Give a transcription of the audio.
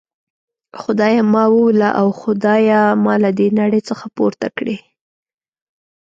خدایه ما ووله او خدایه ما له دي نړۍ څخه پورته کړي.